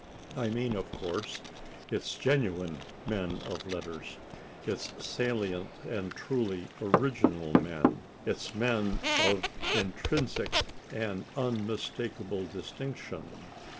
I mean, of course, its genuine men of letters, its salient and truly original men, its men of intrinsic and unmistakable distinction.